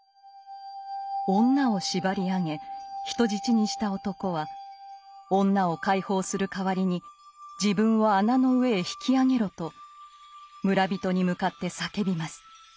女を縛り上げ人質にした男は女を解放する代わりに自分を穴の上へ引き上げろと村人に向かって叫びます。